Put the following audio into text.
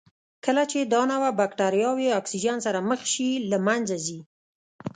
کله چې دا نوعه بکټریاوې اکسیجن سره مخ شي له منځه ځي.